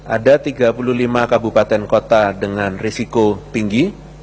ada tiga puluh lima kabupaten kota dengan risiko tinggi